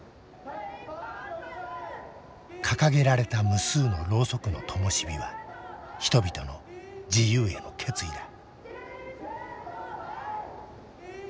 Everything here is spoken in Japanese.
掲げられた無数のろうそくのともし火は人々の自由への決意だ。